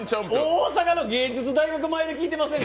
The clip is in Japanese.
大阪の芸術大学前で聞いてません？